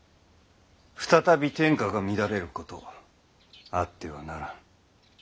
再び天下が乱れることあってはならん。